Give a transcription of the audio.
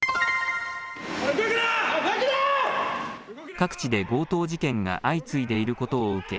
各地で強盗事件が相次いでいることを受け